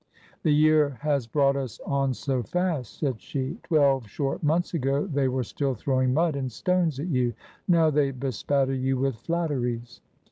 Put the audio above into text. "The year has brought us on so fast," said she; " twelve short months ago they were still throwing mud and stones at you. Now they bespatter you with flat teries